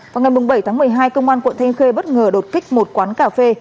vào ngày bảy tháng một mươi hai công an quận thanh khê bất ngờ đột kích một quán cà phê